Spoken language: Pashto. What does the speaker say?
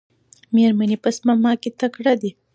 میرمنې په سپما کې تکړه دي.